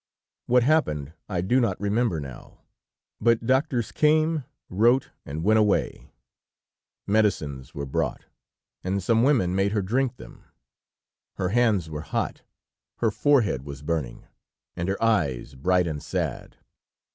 What happened I do not remember now, but doctors came, wrote and went away. Medicines were brought, and some women made her drink them. Her hands were hot, her forehead was burning, and her eyes bright and sad.